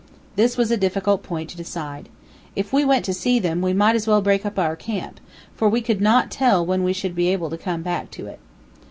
This was a difficult point to decide. If we went to see them, we might as well break up our camp, for we could not tell when we should be able to come back to it.